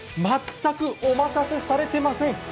全くお待たせされてません。